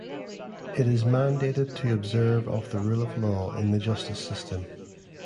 It is mandated to observe of the rule of law in the justice system.